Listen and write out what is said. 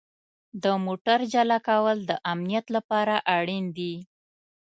د موټر جلا کول د امنیت لپاره اړین دي.